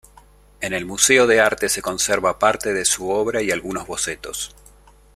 En el Museo de Arte se conserva parte se su obra y algunos bocetos.